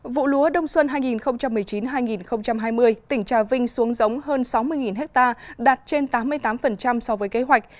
vụ lúa đông xuân hai nghìn một mươi chín hai nghìn hai mươi tỉnh trà vinh xuống giống hơn sáu mươi ha đạt trên tám mươi tám so với kế hoạch